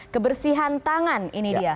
kebersihan tangan ini dia